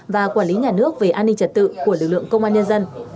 và quản lý nhà nước về an ninh trật tự của lực lượng công an nhân dân